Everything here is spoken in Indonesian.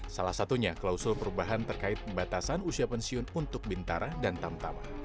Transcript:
salah satunya klausul perubahan terkait batasan usia pensiun untuk bintara dan tamtama